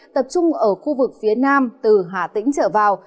tập trung ở khu vực phía nam từ hà tĩnh trở vào